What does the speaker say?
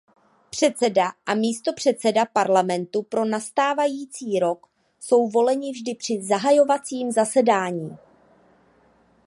Předseda a místopředseda parlamentu pro nastávající rok jsou voleni vždy při zahajovacím zasedání.